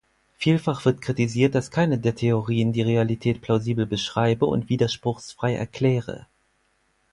Vielfach wird kritisiert, dass keine der Theorien die Realität plausibel beschreibe und widerspruchsfrei erkläre.